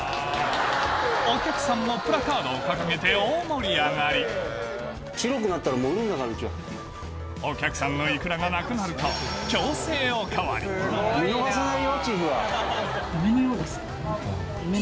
お客さんもプラカードを掲げて大盛り上がりお客さんのいくらがなくなると・見逃さないよ